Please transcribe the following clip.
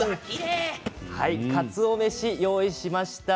かつお飯用意しました。